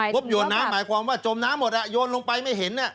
บโยนน้ำหมายความว่าจมน้ำหมดโยนลงไปไม่เห็น